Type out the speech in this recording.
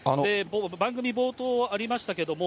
番組冒頭ありましたけれども、